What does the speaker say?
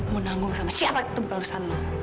mau nanggung sama siapa itu bukan urusan lo